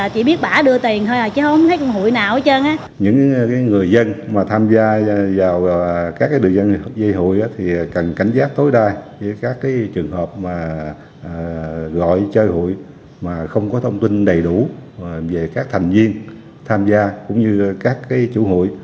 các người dân dây hụi cần cảnh giác tối đai với các trường hợp gọi chơi hụi mà không có thông tin đầy đủ về các thành viên tham gia cũng như các chủ hụi